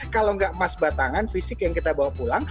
kalau nggak emas batangan fisik yang kita bawa pulang